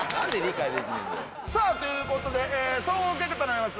さあという事で総合結果となります。